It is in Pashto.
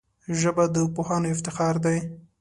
ژبه د پوهانو افتخار دی